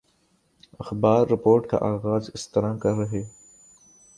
اخبار رپورٹ کا آغاز اس طرح کر ہے